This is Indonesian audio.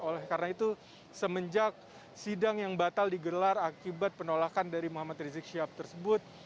oleh karena itu semenjak sidang yang batal digelar akibat penolakan dari muhammad rizik syihab tersebut